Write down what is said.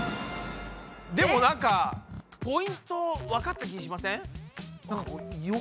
でもなんかポイントわかった気しません？